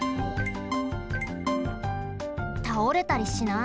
たおれたりしない？